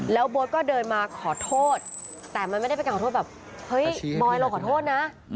แล้วโบ๊ทก็เดินมาขอโทษแต่มันไม่ได้เป็นการขอโทษแบบเฮ้ยบอยเราขอโทษนะ